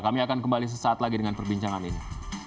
kami akan kembali sesaat lagi dengan perbincangan ini